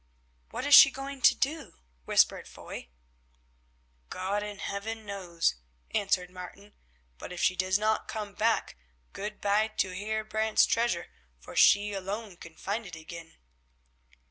"What is she going to do?" whispered Foy. "God in Heaven knows," answered Martin, "but if she does not come back good bye to Heer Brant's treasure, for she alone can find it again."